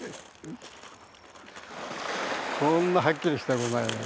こんなはっきりしたものないよね。